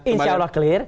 insya allah clear